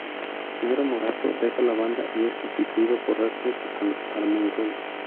Mero Morató deja la banda y es sustituido por Ernest Armengol.